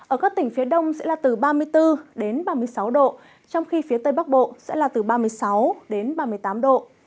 ở các tỉnh phía đông sẽ là từ ba mươi bốn đến ba mươi sáu độ trong khi phía tây bắc bộ sẽ là từ ba mươi sáu đến ba mươi tám độ